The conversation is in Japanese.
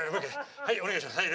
はいお願いしますはい」。